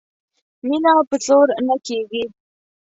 مینه په زور نه کیږي